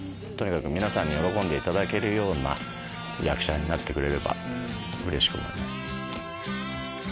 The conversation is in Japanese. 皆さんに喜んでいただけるような役者になってくれればうれしく思います。